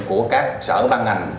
của các sở ban ngành